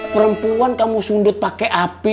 perempuan kamu sundut pakai api